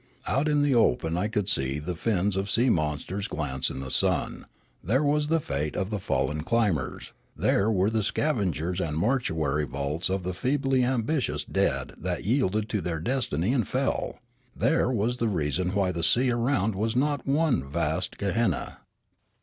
Out in the open I could see the fins of sea monsters glance in the sun ; there was the fate of the fallen climbers; there were the scavengers and mortuary vaults of the feebly ambitious dead that yielded to their destiny and fell ; there was the reason why the sea around was not one vast gehenna.